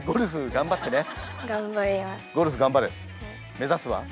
目指すは？